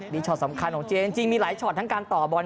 มีช็อตสำคัญของเจจริงมีหลายช็อตทั้งการต่อบอล